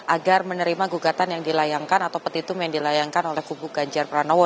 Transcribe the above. agar menerima gugatan yang dilayangkan atau petitum yang dilayangkan oleh kubu ganjar pranowo